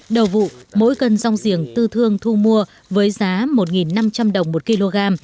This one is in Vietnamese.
đầu vụ mỗi cân rong giềng tư thương thu mua với giá một năm trăm linh đồng một kg